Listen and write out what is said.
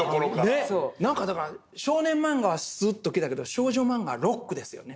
何かだから少年漫画はスッと来たけど少女漫画はロックですよね。